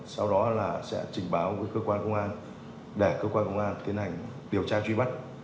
sau đó là sẽ trình báo với cơ quan công an để cơ quan công an tiến hành điều tra truy bắt